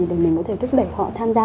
để mình có thể thúc đẩy họ tham gia